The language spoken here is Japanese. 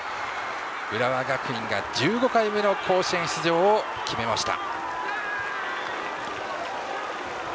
浦和学院が１５回目の甲子園出場を決めました。